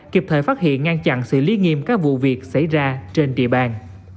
kịp thời phát hiện ngăn chặn xử lý nghiêm các vụ việc xảy ra trên địa bàn